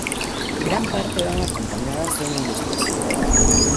Gran parte van acompañadas de una ilustración.